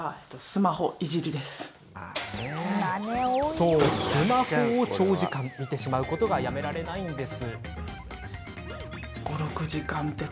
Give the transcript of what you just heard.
そう、スマホを長時間見てしまうことがやめられないんです。